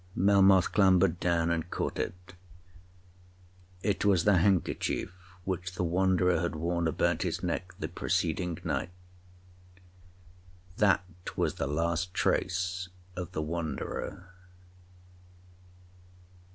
Melmoth clambered down and caught it. It was the handkerchief which the Wanderer had worn about his neck the preceding night—that was the last trace of the Wanderer!